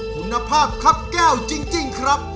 คุณภาพครับแก้วจริงครับ